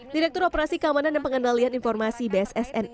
direktur operasi keamanan dan pengendalian informasi bssn